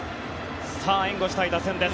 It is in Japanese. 援護したい打線です。